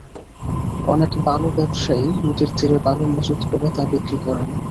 অনেক বালু ব্যবসায়ী নদীর তীরে বালু মজুত করে তা বিক্রি করেন।